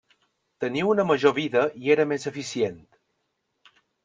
Tenia una major vida i era més eficient.